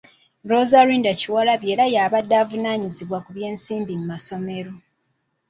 Rosalind Kyewalabye era y'abadde avunaanyizibwa ku by'ensimbi mu masomero.